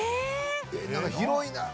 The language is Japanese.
広いなぁ。